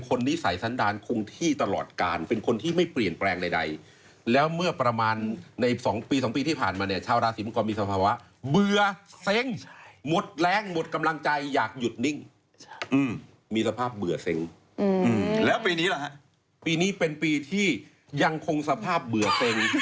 คนเกิดราศีมังกรโดยหลักพื้นฐานดุชฎาเนี่ยเป็นคนที่นิสัยไม่ค่อยเปลี่ยนแปลง